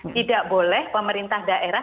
tidak boleh pemerintah daerah